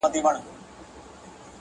تڼاکي زړه چي د ښکلا په جزيرو کي بند دی_